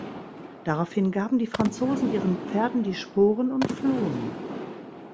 Daraufhin gaben die Franzosen ihren Pferden die Sporen und flohen.